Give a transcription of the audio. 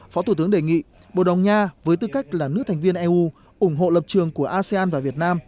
phó thủ tướng đề nghị bồ đào nha với tư cách là nước thành viên eu ủng hộ lập trường của asean và việt nam